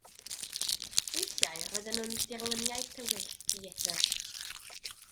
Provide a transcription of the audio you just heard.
Weithiau roedden nhw'n dirluniau tywyll, dieithr.